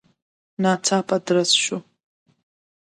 ناڅاپه درز شو.